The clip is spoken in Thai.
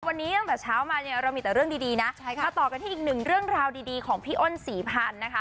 วันนี้ตั้งแต่เช้ามาเนี่ยเรามีแต่เรื่องดีดีนะมาต่อกันที่อีกหนึ่งเรื่องราวดีดีของพี่อ้นศรีพันธ์นะคะ